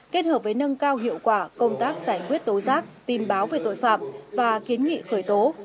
kết hợp với nâng cao hiệu quả công tác giải quyết tố giác tin báo về tội phạm và kiến nghị khởi tố